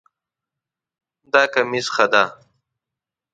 دا کمیس ښه ده